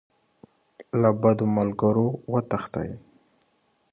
له بدو ملګرو وتښتئ.